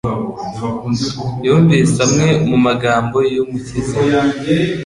yumvise amwe mu magambo y'Umukiza.